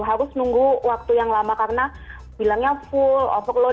harus nunggu waktu yang lama karena bilangnya full overload